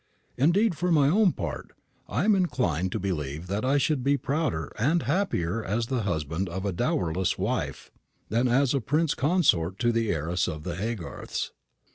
Indeed, for my own part, I am inclined to believe that I should be prouder and happier as the husband of a dowerless wife, than as prince consort to the heiress of the Haygarths.